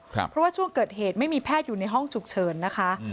เพราะว่าช่วงเกิดเหตุไม่มีแพทย์อยู่ในห้องฉุกเฉินนะคะ